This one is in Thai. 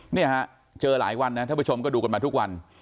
เนี่ยฮะเจอหลายวันนะท่านผู้ชมก็ดูกันมาทุกวัน